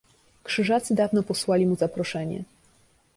"Krzyżacy dawno posłali mu zaproszenie."